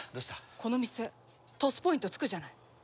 この店ＴＯＳポイント付くじゃない。